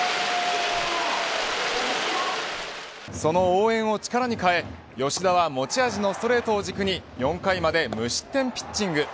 その応援を力に変え吉田は持ち味のストレートを軸に４回まで無失点ピッチング。